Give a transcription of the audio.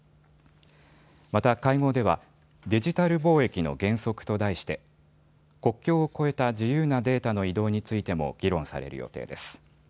また会合ではデジタル貿易の原則と題して国境を越えた自由なデータの移動についても議論される予定です。